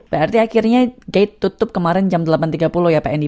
berarti akhirnya gate tutup kemarin jam delapan tiga puluh ya pak andi